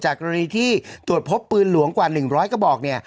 กรณีที่ตรวจพบปืนหลวงกว่า๑๐๐กระบอกเนี่ย